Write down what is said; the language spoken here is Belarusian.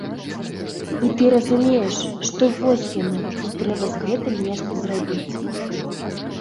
І ты разумееш, што вось яно, і трэба з гэтым нешта зрабіць.